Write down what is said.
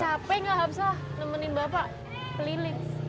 capek gak hamsah nemenin bapak keliling